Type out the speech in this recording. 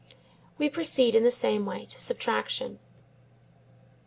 We proceed in the same way to subtraction.